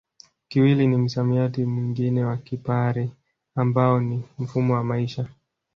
Kiwili ni msamiati mwingine wa Kipare ambao ni mfumo wa maisha